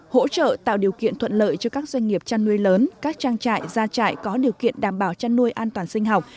hỗ trợ tạo điều kiện thuận lợi cho các doanh nghiệp chăn nuôi lớn các trang trại gia trại có điều kiện đảm bảo chăn nuôi an toàn sinh học